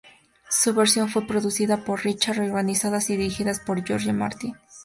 Su versión fue producida por Ron Richards, organizada y dirigida por George Martin.